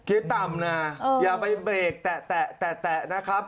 ต่ำนะอย่าไปเบรกแตะนะครับ